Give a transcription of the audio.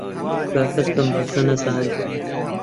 با کەس بەم باسە نەزانێت